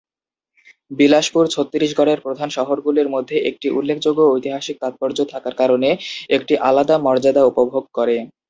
বিলাসপুর ছত্তিশগড়ের প্রধান শহরগুলির মধ্যে একটি উল্লেখযোগ্য ঐতিহাসিক তাৎপর্য থাকার কারণে একটি আলাদা মর্যাদা উপভোগ করে।